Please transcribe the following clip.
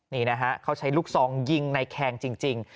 นี่นะฮะเขาใช้ลูกซองยิงในแคงจริง